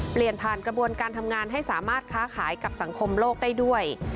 เปลี่ยนผ่านกระบวนการทำงานให้สามารถค้าขายกับสังคมโลกได้ด้วย